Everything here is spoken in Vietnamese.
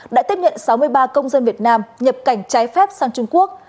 đã tiếp nhận sáu mươi ba công dân việt nam nhập cảnh trái phép sang trung quốc